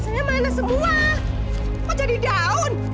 saya malah semua kok jadi daun